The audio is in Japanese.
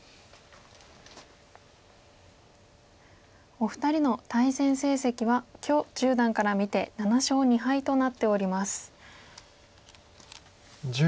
お二人の対戦成績は許十段から見て７勝２敗となっております。